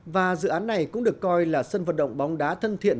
và dự án này cũng được coi là sân vận động bóng đá thân thiện